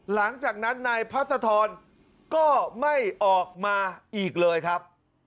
หลังจากนั้นนายพัศธรก็ไม่ออกมาอีกเลยครับ